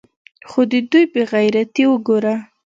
خو د دوى بې غيرتي اوګوره.